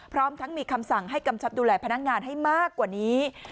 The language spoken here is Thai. พร้อมทั้งมีคำสั่งให้กำชับดูแลพนักงานให้มากกว่านี้